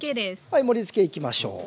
はい盛りつけいきましょう。